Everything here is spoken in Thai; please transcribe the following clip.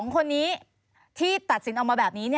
๒คนนี้ที่ตัดสินออกมาแบบนี้